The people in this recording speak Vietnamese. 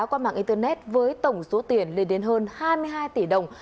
qua mạng internet với tổng số tiền lên đến hơn hai mươi hai tỷ đồng